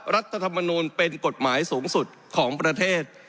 รัฐธรรมนูลเป็นกฎหมายสูงสุดของประเทศ